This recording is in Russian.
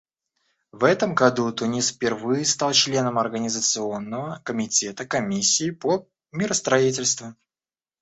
В этом году Тунис впервые стал членом Организационного комитета Комиссии по миростроительству.